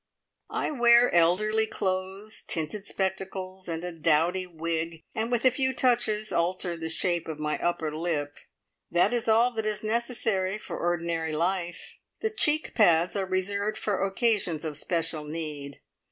I wear elderly clothes, tinted spectacles, and a dowdy wig, and with a few touches alter the shape of my upper lip. That is all that is necessary for ordinary life. The cheek pads are reserved for occasions of special need!